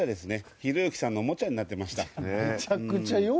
ひろゆきさんのおもちゃになってました。